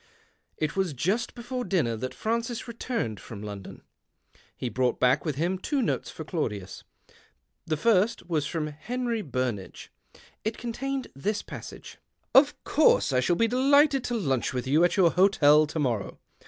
It was just before dinner that Francis returned from London. He brous ht back with him two notes for Claudius. The first was from Henry Burnage. It contained this " Of course I shall be delighted to lunch with you at your hotel to morrow.